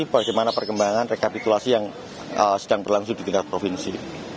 bagaimana perkembangan rekapitulasi yang sedang berlangsung di tingkat provinsi